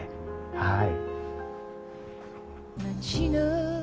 はい。